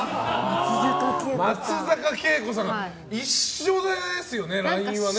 松坂慶子さんは一緒ですよね、ラインはね。